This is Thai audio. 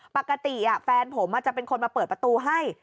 ปกติแฟนผมจะเป็นคนมาเปิดประตูให้